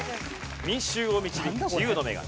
『民衆を導く自由の女神』。